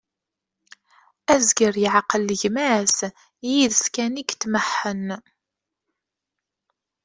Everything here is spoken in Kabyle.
Azger yeεqel gma-s, yid-s kan i itmeḥḥen.